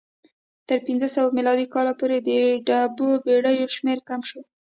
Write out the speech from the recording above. تر پنځه سوه میلادي کاله پورې د ډوبو بېړیو شمېر کم شو